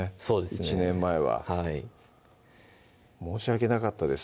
１年前ははい申し訳なかったです